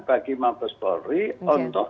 bagi mabes polri untuk